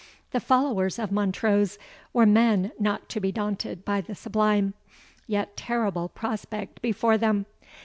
The followers of Montrose were men not to be daunted by the sublime, yet terrible prospect before them.